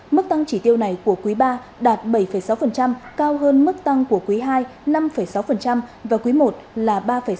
mức tăng chỉ tiêu này của quý ba đạt bảy sáu cao hơn mức tăng của quý ii năm sáu và quý i là ba sáu